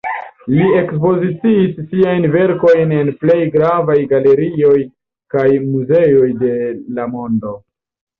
Li ekspoziciis siajn verkojn en plej gravaj galerioj kaj muzeoj de la mondo.